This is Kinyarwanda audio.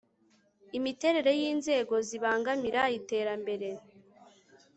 imiterere y'inzego zibangamira iterambere